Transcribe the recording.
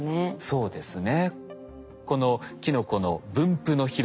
そうですね。